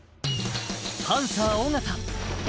パンサー・尾形安